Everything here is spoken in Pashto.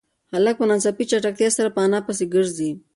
هلک په ناڅاپي چټکتیا سره په انا پسې گرځي.